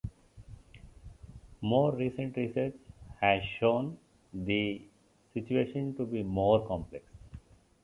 More recent research has shown the situation to be more complex.